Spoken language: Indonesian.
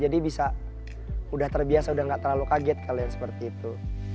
jadi bisa sudah terbiasa sudah tidak terlalu kaget kalau yang seperti itu